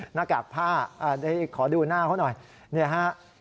หน้ากากผ้าขอดูหน้าเขาน่ะ